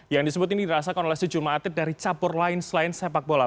yang disebut ini dirasakan oleh sejumlah atlet dari cabur lain selain sepak bola